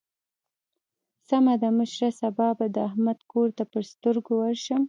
سمه ده مشره؛ سبا به د احمد کور ته پر سترګو ورشم.